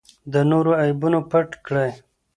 د نورو عیبونه پټ کړئ.